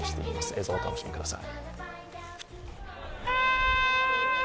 映像をお楽しみください。